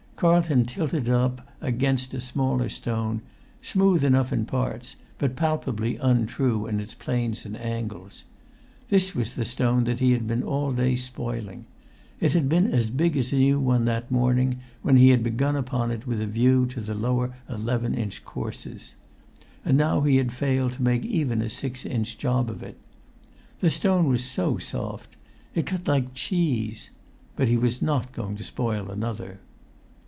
Carlton tilted it up against a smaller stone, smooth enough in parts, but palpably untrue in its planes and angles. This was the stone that he had been all day spoiling; it had been as big as the new one that morning, when he had begun upon it with a view to the lower eleven inch courses; and now he had failed to make even a six inch job of it. The stone was so soft. It cut like cheese. But he was not going to spoil another.